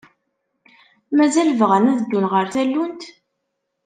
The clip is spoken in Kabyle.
Mazal bɣan ad ddun ɣer tallunt?